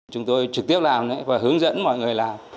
chúng tôi trực tiếp làm và hướng dẫn mọi người làm